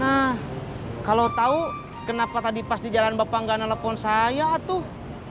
nah kalau tahu kenapa tadi pas di jalan bapak nggak nelfon saya tuh